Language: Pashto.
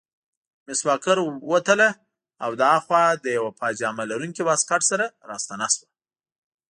مس واکر ووتله او له هاخوا له یوه پاجامه لرونکي واسکټ سره راستنه شوه.